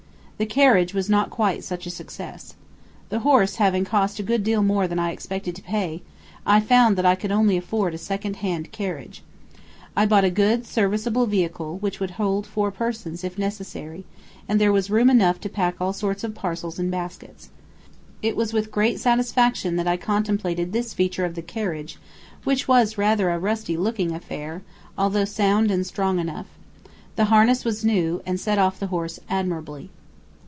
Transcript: The carriage was not quite such a success. The horse having cost a good deal more than I expected to pay, I found that I could only afford a second hand carriage. I bought a good, serviceable vehicle, which would hold four persons, if necessary, and there was room enough to pack all sorts of parcels and baskets. It was with great satisfaction that I contemplated this feature of the carriage, which was a rather rusty looking affair, although sound and strong enough. The harness was new, and set off the horse admirably.